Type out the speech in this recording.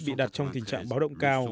bị đặt trong tình trạng báo động cao